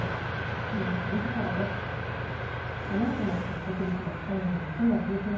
このあと２時からです。